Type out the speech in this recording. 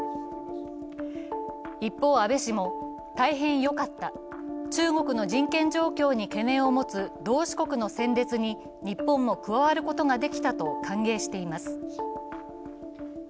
一方、安倍氏も、大変よかった、中国の人権状況に懸念を持つ同志国の戦列に日本も加わることができたと歓迎しています。